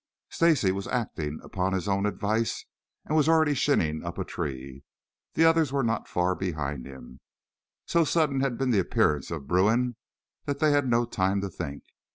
Stacy, acting upon his own advice was already shinning up a tree. The others were not far behind him. So sudden had been the appearance of Bruin that they had no time to think.